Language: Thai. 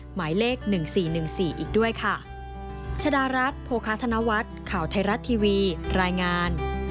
หมายเลข๑๔๑๔อีกด้วยค่ะ